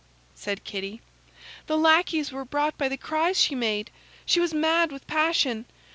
said Kitty. "The lackeys were brought by the cries she made. She was mad with passion.